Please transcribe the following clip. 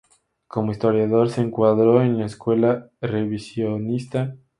Como historiador se encuadró en la escuela revisionista.